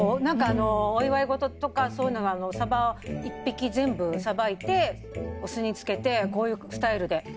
なんかお祝い事とかそういうのはサバを１匹全部さばいてお酢に漬けてこういうスタイルで。